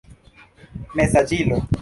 mesaĝilo